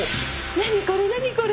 何これ何これ？